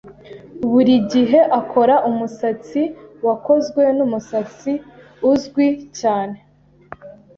Buri gihe akora umusatsi wakozwe numusatsi uzwi cyane.